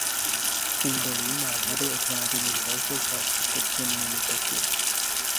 Údolí má vody odváděny z velké části podzemními toky.